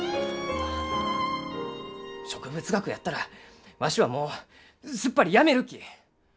植物学やったらわしはもうすっぱりやめるき！